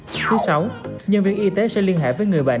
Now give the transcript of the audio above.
thứ sáu nhân viên y tế sẽ liên hệ với người bệnh